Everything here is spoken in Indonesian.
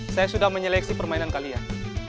saya sudah menyeleksi permainan kalian